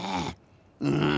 うん。